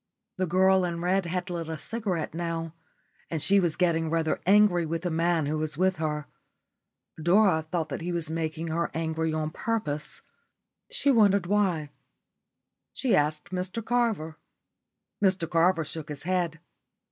The girl in red had lit a cigarette now, and she was getting rather angry with the man who was with her. Dora thought he was making her angry on purpose. She wondered why. She asked Mr Carver. Mr Carver shook his head.